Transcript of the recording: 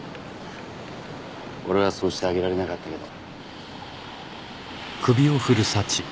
俺はそうしてあげられなかったけど。